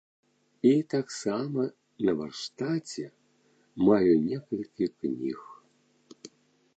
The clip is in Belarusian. І таксама на варштаце маю некалькі кніг.